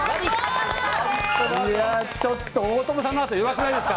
ちょっと大友さんのあと、弱くないですか？